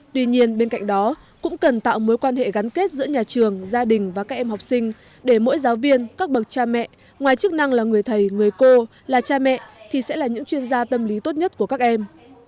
tuy nhiên bên cạnh đó cũng cần tạo mối quan hệ gắn kết giữa nhà trường gia đình và các em học sinh để mỗi giáo viên các bậc cha mẹ ngoài chức năng là người thầy người cô là cha mẹ thì sẽ là những chuyên gia tâm lý tốt nhất của các em